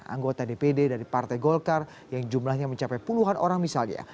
anggota dpd dari partai golkar yang jumlahnya mencapai puluhan orang misalnya